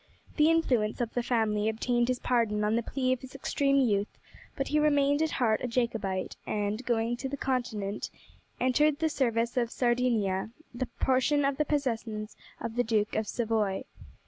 The influence of the family obtained his pardon on the plea of his extreme youth, but he remained at heart a Jacobite, and, going to the Continent, entered the service of Sardinia, then a portion of the possessions of the Duke of Savoy.